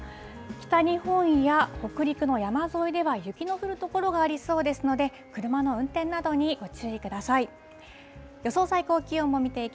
北日本や北陸の山沿いでは雪の降る所がありそうですので、車の運転などにご注意ください。